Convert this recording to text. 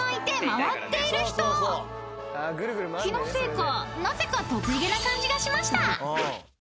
［気のせいかなぜか得意げな感じがしました］